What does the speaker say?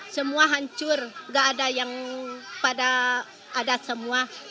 semua hancur nggak ada yang pada ada semua